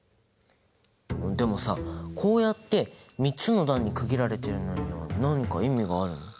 でもさこうやって３つの段に区切られているのには何か意味があるの？